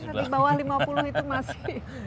di bawah lima puluh itu masih